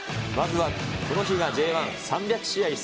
まずはこの日がＪ１３００試合